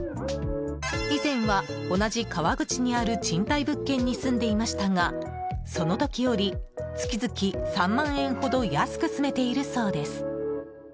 以前は同じ川口にある賃貸物件に住んでいましたがその時より月々３万円ほど安く住めているそうです。